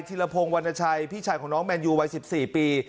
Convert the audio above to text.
ธิระโพงวัณชัยพี่ชายของน้องแมนยูวัยสิบสี่ปี